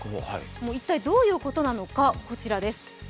一体どういうことなのか、こちらです。